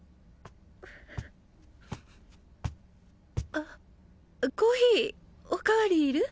あコーヒーお代わりいる？